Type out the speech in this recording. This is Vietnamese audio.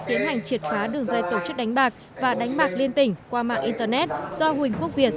tiến hành triệt phá đường dây tổ chức đánh bạc và đánh bạc liên tỉnh qua mạng internet do huỳnh quốc việt